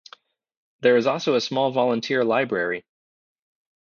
There is also a small volunteer library.